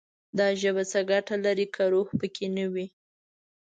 دا ژبه څه ګټه لري، که روح پکې نه وي»